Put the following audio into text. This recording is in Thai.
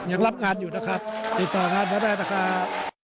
ยังรับงานอยู่นะครับติดต่องานก็ได้นะครับ